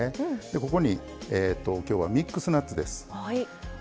でここに今日はミックスナッツです。